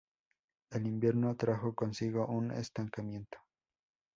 El invierno trajo consigo un estancamiento.